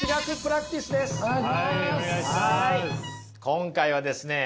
今回はですね